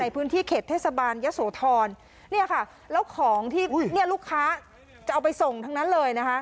ผืนที่เขตเทศบาลยสโทรแล้วของที่ลูกค้าจะเอาไปส่งทั้งนั้นเลย